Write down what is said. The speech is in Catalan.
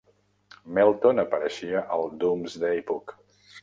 Melton apareixia al "Domesday Book".